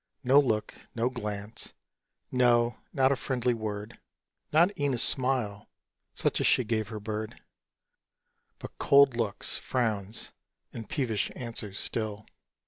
No look, no glance, no, not a friendly word, Not e'en a smile, such as she gave her bird, But cold looks, frowns, and peevish answers, still.